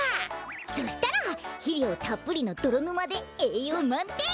そしたらひりょうたっぷりのどろぬまでえいようまんてん！